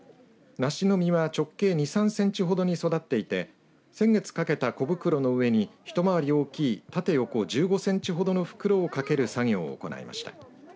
梨の実は直径２３センチほどに育っていて先月かけた小袋の上に一回り大きい縦横１５センチほどの袋かけで作業を行いました。